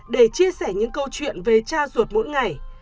để chia sẻ những câu chuyện về cha ruột mỗi ngày